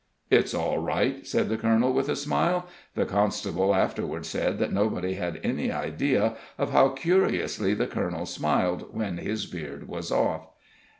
"It's all right," said the colonel, with a smile. The constable afterward said that nobody had any idea of how curiously the colonel smiled when his beard was off.